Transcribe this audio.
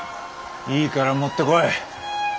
いいから持ってこい！